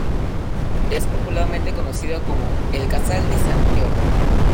Es popularmente conocido como el "Casal de Sant Jordi".